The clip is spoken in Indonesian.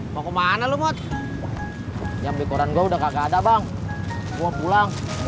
mau kemana lu buat yang beli koran gua udah kagak ada bang gua pulang mau